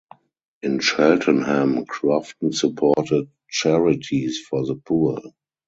In Cheltenham Crofton supported charities for the poor.